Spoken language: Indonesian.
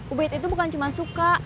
ubid itu bukan cuma suka